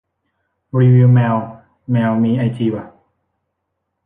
รีวิวแมว แมวมีไอจีว่ะ